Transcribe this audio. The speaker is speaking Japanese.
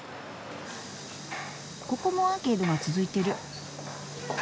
ここもアーケードが続いてる。